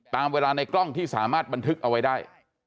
ตามเวลาในกล้องที่สามารถบันทึกเอาไว้ได้